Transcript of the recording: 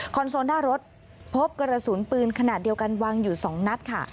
โซนหน้ารถพบกระสุนปืนขนาดเดียวกันวางอยู่๒นัดค่ะ